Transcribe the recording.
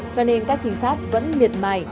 cho nên các chính sát vẫn miệt mài